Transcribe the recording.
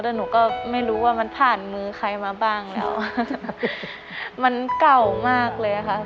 แต่หนูก็ไม่รู้ว่ามันผ่านมือใครมาบ้างแล้วมันเก่ามากเลยค่ะ